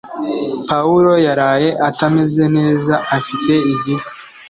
Pawulo yaraye atameze neza afite igifu